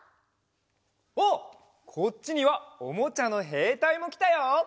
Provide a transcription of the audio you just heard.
あっこっちにはおもちゃのへいたいもきたよ！